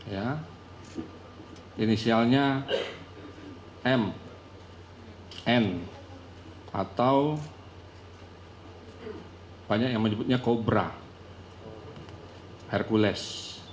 ya inisialnya mn atau banyak yang menyebutnya kobra hercules